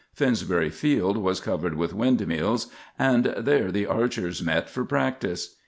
Finsbury Field was covered with windmills, and there the archers met for practice.